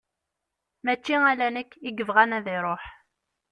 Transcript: Mačči ala nekk i yebɣan ad iruḥ.